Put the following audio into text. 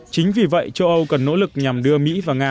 chính vì vậy châu âu cần nỗ lực nhằm đưa mỹ và nga